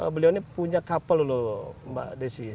beliau ini punya kapal loh mbak desi